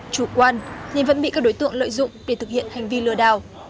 chủ quan nên vẫn bị các đối tượng lợi dụng để thực hiện hành vi lừa đào